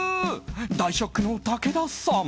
大ショックの武田さん。